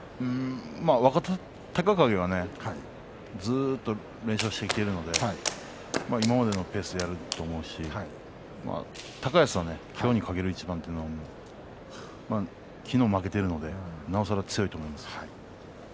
若隆景はずっと連勝してきているので今までのペースでやると思うし高安は今日に懸ける一番というのは昨日、負けているのでなおさら強いと思います。